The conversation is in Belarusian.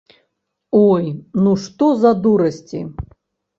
Ой, ну што за дурасці.